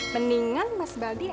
mendingan mas baldi